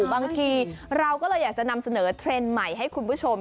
บางทีเราก็เลยอยากจะนำเสนอเทรนด์ใหม่ให้คุณผู้ชม